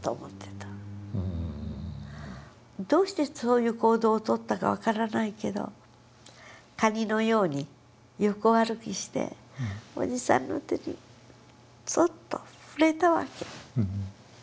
どうしてそういう行動を取ったか分からないけどカニのように横歩きしておじさんの手にそっと触れたわけ。